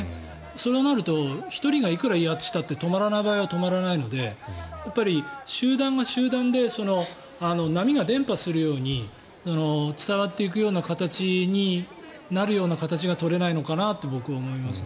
そうなると１人がいくら威圧したって止まらない場合は止まらないので集団が集団で波が伝播するように伝わっていくような形になるような形が取れないのかなと僕は思います。